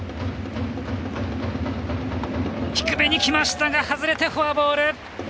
低めにいきましたが外れてフォアボール。